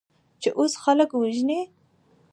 چې اوس خلک وژنې؟